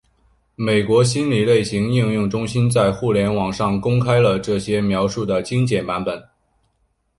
美国心理类型应用中心在互联网上公开了这些描述的精简版本。